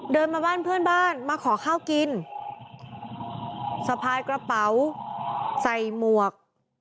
เดินมาบ้านเพื่อนบ้านมาขอข้าวกินสะพายกระเป๋าใส่หมวก